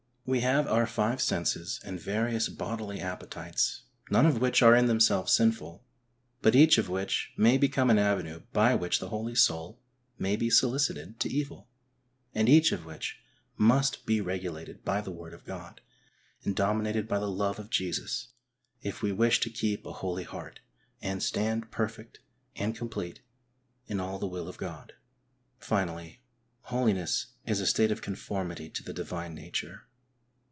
We have our five senses and various bodily appetites, none of which are in themselves sinful, but each of which may become an avenue by which the holy soul may be solicited to evil, and each of which must be regulated by the word of God and dominated by the love of Jesus, if we wish to keep a holy heart, "and stand perfect and complete in all the will of God.^^ Finally, holiness is a state of conformity to the divine nature.